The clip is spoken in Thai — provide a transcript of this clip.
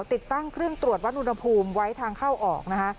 ติดตั้งเครื่องตรวจวัดอุณหภูมิไว้ทางเข้าออกนะคะ